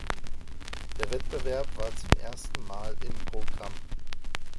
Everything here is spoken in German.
Der Wettbewerb war zum ersten Mal im Programm.